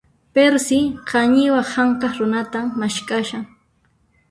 Perci, qañiwa hank'aq runatan maskhashan.